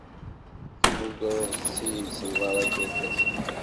Temmugreḍ-t-id s lbarakat ifazen.